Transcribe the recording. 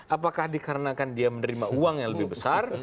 apakah dikarenakan dia menerima uang yang lebih besar